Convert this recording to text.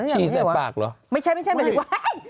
ฉี่ใส่ปากเหรอไม่ใช่หมอต้ำ